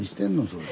それ。